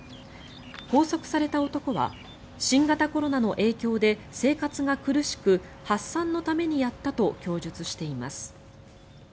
拘束された男は新型コロナの影響で生活が苦しく発散のためにやったと供述しています。